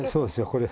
これ。